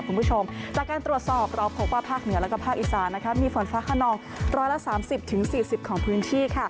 คุณผู้ชมจากการตรวจสอบเราพบว่าภาคเหนือและภาคอีสานมีฝนฟ้าขนอง๑๓๐๔๐ของพื้นที่